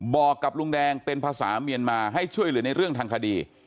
บอกกับลุงแดงเป็นภาษาเมียนมาให้ช่วยเหลือในเรื่องทางคดี